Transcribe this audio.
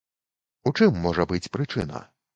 У чым можа быць прычына?